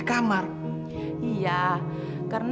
aku juga yakin